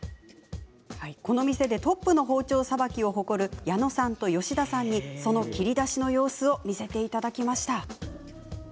この店でトップの包丁さばきを誇る矢野さんと吉田さんにその切り出しの様子を見せていただきました。